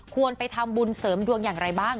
ไปทำบุญเสริมดวงอย่างไรบ้าง